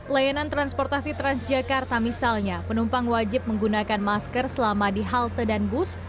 layanan transportasi transjakarta misalnya penumpang wajib menggunakan masker selama di halte dan bus